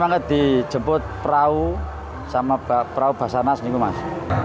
sampai ke sini dijemput perahu sama perahu basarnas